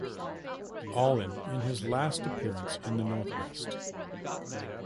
Allin in his last appearance in the northwest.